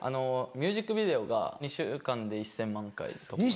ミュージックビデオが２週間で１０００万回突破。